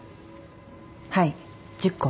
はい１０個は。